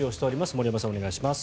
森山さん、お願いします。